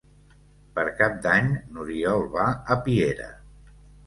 Per Cap d'Any n'Oriol va a Piera.